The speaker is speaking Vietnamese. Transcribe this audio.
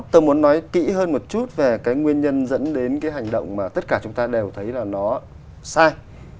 tôi muốn nói kỹ hơn một chút về cái nguyên nhân dẫn đến cái hành động mà tất cả chúng ta đều thấy là nó sai